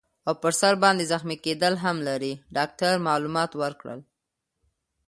او پر سر باندي زخمي کیدل هم لري. ډاکټر معلومات ورکړل.